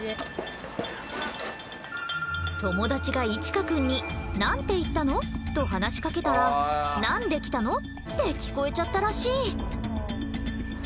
友達が一奏くんに「何て言ったの？」と話しかけたら「何で来たの？」って聞こえちゃったらしい。